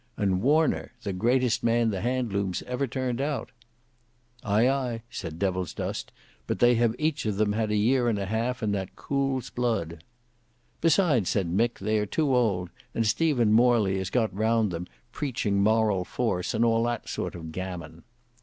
And Warner—the greatest man the Handlooms ever turned out." "Ay, ay," said Devilsdust; "but they have each of them had a year and a half, and that cools blood." "Besides," said Mick, "they are too old; and Stephen Morley has got round them, preaching moral force and all that sort of gammon."